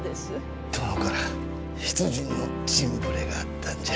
殿から出陣の陣触れがあったんじゃ。